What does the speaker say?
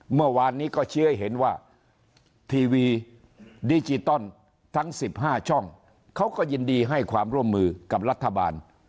เมื่อวานนี้ก็ชี้ให้เห็นว่าทีวีดิจิตอลทั้ง๑๕ช่องเขาก็ยินดีให้ความร่วมมือกับรัฐบาล